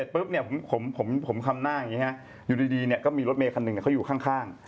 เพราะฉนั้นอยู่ดีก็มีรถเมลคันพอไปมีเขาข้าง